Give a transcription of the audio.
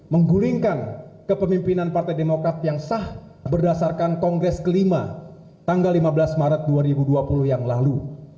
menggulingkan kepemimpinan partai demokrat yang sah berdasarkan kongres kelima tanggal lima belas maret dua ribu dua puluh yang lalu